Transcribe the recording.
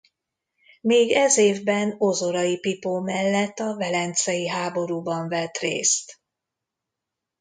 Még ez évben Ozorai Pipó mellett a velencei háborúban vett részt.